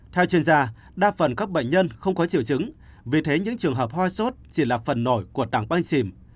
theo chuyên gia đa phần các bệnh nhân không có triều chứng vì thế những trường hợp hoa sốt chỉ là phần nổi của tảng băng xìm